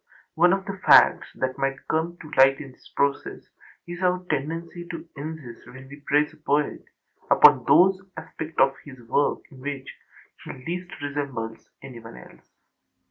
One of the facts that might come to light in this process is our tendency to insist, when we praise a poet, upon those aspects of his work in which he least resembles anyone else.